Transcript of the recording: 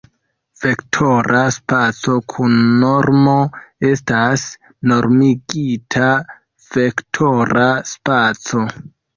Vektora spaco kun normo estas normigita vektora spaco.